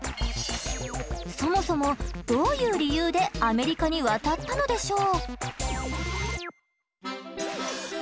そもそもどういう理由でアメリカに渡ったのでしょう？